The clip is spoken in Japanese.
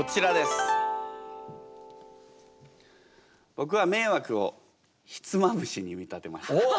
僕は「迷惑」をひつまぶしに見立てました。